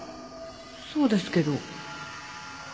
そうですけど